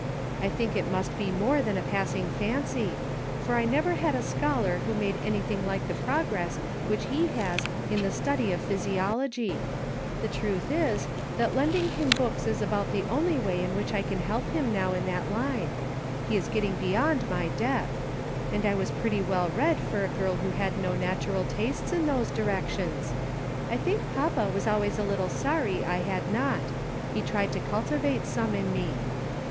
I think it must be more than a passing fancy, for I never had a scholar who made anything like the progress which he has in the study of physiology ; the truth is, that lending him books is about the only way in which I can help him now in that line ; he is get ting beyond my depth ; and I was pretty well read for a girl who had no natural tastes in those direc tions; I think papa was always a little sorry I had not ; he tried to cultivate some in me.